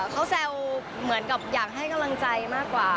เขาแซวเหมือนกับอยากให้กำลังใจมากกว่า